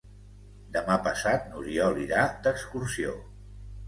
Demà passat n'Oriol irà d'excursió.